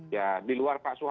ya di luar pak